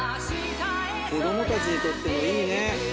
子供たちにとってもいいね。